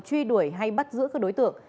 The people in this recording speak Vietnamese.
truy đuổi hay bắt giữ các đối tượng